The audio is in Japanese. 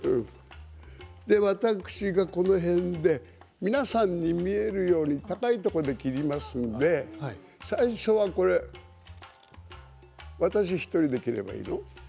私がこの辺で皆さんに見えるように高いところで切りますので最初は私１人で切ればいいの？